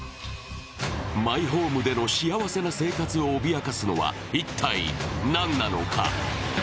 マイホームでの幸せな生活を脅かすのは一体何なのか。